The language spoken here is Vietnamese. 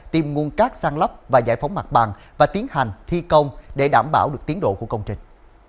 tìm nguồn cát sang lấp và giải phóng mặt bằng và tiến hành thi công để đảm bảo được tiến độ của công trình